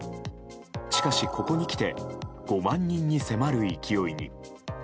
しかし、ここに来て５万人に迫る勢いに。